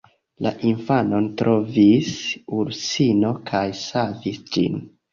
La infanon trovis ursino kaj savis ĝin.